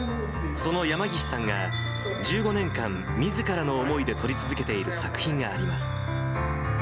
その山岸さんが１５年間、みずからの思いで撮り続けている作品があります。